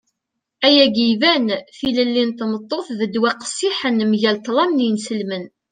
ayagi iban. tilelli n tmeṭṭut d ddwa qqessiḥen mgal ṭṭlam n yinselmen